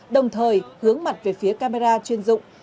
đồng thời hướng mặt về phía camera chuyên dụng